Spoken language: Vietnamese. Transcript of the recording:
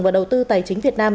và đầu tư tài chính việt nam